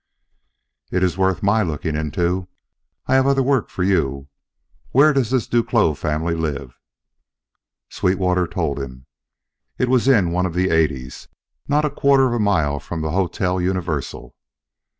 "It is worth my looking into. I have other work for you. Where does this Duclos family live?" Sweetwater told him. It was in one of the Eighties, not a quarter of a mile from the Hotel Universal.